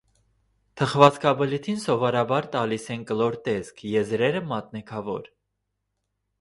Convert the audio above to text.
Թխվածքաբլիթին սովորաբար տալիս են կլոր տեսք, եզրերը՝ մատնեքավոր։